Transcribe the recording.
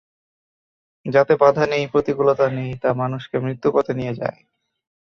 যাতে বাধা নেই, প্রতিকূলতা নেই, তা মানুষকে মৃত্যুপথে নিয়ে যায়।